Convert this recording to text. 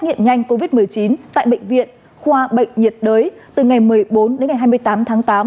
nghiệm nhanh covid một mươi chín tại bệnh viện khoa bệnh nhiệt đới từ ngày một mươi bốn đến ngày hai mươi tám tháng tám